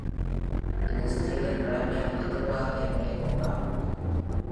இது இஸ்ரேலின் பழமையான ஜெப ஆலயங்களில் ஒன்றாகும்.